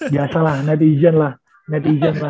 biasalah netizen lah netizen lah